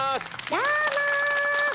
どうも！